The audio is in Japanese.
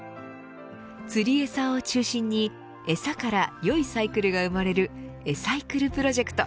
釣りえさを中心にえさからよいサイクルが生まれるエサイクルプロジェクト。